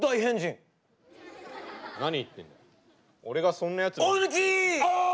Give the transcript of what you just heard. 俺がそんなやつに。